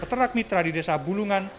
peternak mitra di desa bulungan